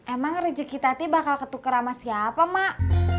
emang rezeki tadi bakal ketuker sama siapa mak